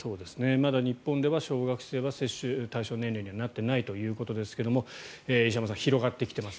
まだ日本では小学生は接種対象年齢にはなっていないということですけど石山さん、広がってきています。